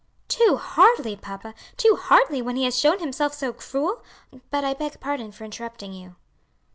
"Too hardly, papa! too hardly, when he has shown himself so cruel! But I beg pardon for interrupting you."